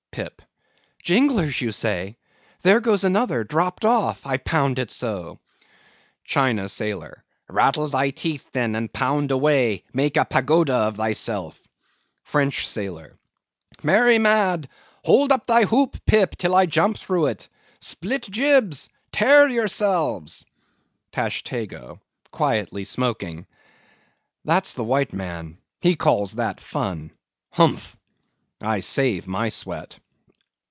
PIP. Jinglers, you say?—there goes another, dropped off; I pound it so. CHINA SAILOR. Rattle thy teeth, then, and pound away; make a pagoda of thyself. FRENCH SAILOR. Merry mad! Hold up thy hoop, Pip, till I jump through it! Split jibs! tear yourselves! TASHTEGO. (Quietly smoking.) That's a white man; he calls that fun: humph! I save my sweat.